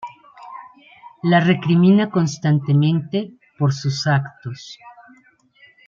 La recrimina constantemente por sus actos.